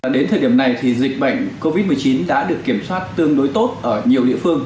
đến thời điểm này thì dịch bệnh covid một mươi chín đã được kiểm soát tương đối tốt ở nhiều địa phương